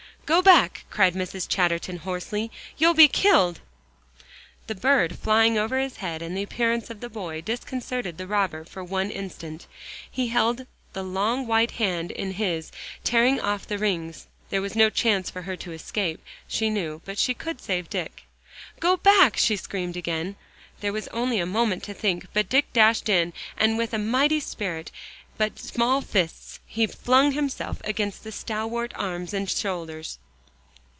"Go back!" cried Mrs. Chatterton hoarsely, "you'll be killed." The bird flying over his head, and the appearance of the boy, disconcerted the robber for one instant. He held the long white hand in his, tearing off the rings. There was no chance for her to escape, she knew, but she could save Dick. "Go back!" she screamed again. There was only a moment to think, but Dick dashed in, and with a mighty spirit, but small fists, he flung himself against the stalwart arms and shoulders.